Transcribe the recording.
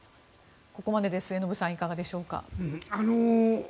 ここまでで末延さんいかがでしょうか？